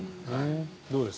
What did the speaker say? どうです？